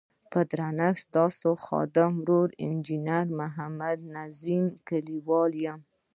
په درنښت ستاسو خادم ورور انجنیر محمد نظیم کلیوال یم.